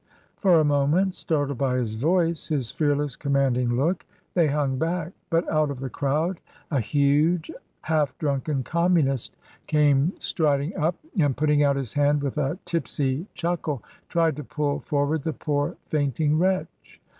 For a moment, startled by his voice, his fearless, commanding look, they hung back; but out of the crowd a huge, half drunken Communist came strid i8» 276 MRS. DYMOND. ing up, and putting out his hand with a tipsy chuckle tried to pull forward the poor fainting wretch.